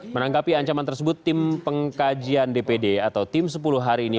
menanggapi ancaman tersebut tim pengkajian dpd atau tim sepuluh hari ini